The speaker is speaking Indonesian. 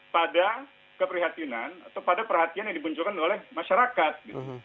pada keprihatinan atau pada perhatian yang dimunculkan oleh masyarakat